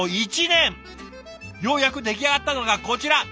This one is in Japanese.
ようやく出来上がったのがこちら。